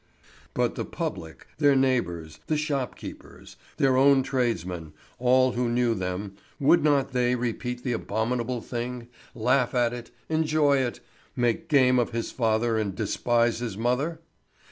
But the public—their neighbours, the shopkeepers, their own tradesmen, all who knew them—would not they repeat the abominable thing, laugh at it, enjoy it, make game of his father and despise his mother?